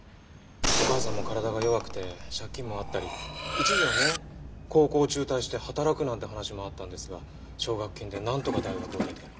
お母さんも体が弱くて借金もあったり一時はね高校を中退して働くなんて話もあったんですが奨学金でなんとか大学を出て。